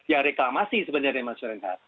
ya reklamasi sebenarnya masyarakat